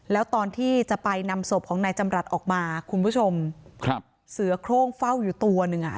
แล้วตอนที่จะไปนำศพของนายจำรัฐออกมาคุณผู้ชมครับเสือโครงเฝ้าอยู่ตัวหนึ่งอ่ะ